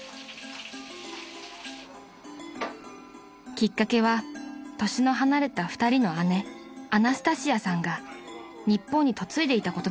［きっかけは年の離れた２人の姉アナスタシアさんが日本に嫁いでいたことでした］